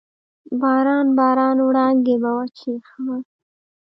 باران، باران وړانګې به وچیښمه